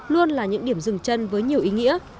luôn là những điểm dừng chân với nhiều ý nghĩa